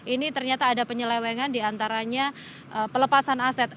ini ternyata ada penyelewengan diantaranya pelepasan aset